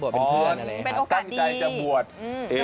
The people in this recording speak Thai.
บวชเป็นเพื่อนอะไรอย่างนี้ครับครับอ๋อเป็นโอกาสดีตั้งใจจะบวชเอง